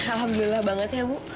alhamdulillah banget ya bu